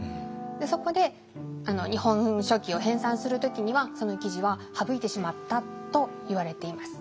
そこで「日本書紀」を編さんする時にはその記事は省いてしまったといわれています。